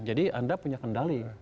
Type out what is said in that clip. jadi anda punya kendali